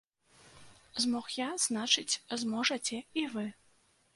Змог я, значыць, зможаце і вы.